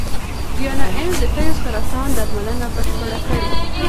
ډیانا اینز د تیو سرطان درملنه بشپړه کړې.